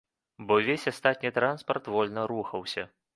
Бо ўвесь астатні транспарт вольна рухаўся.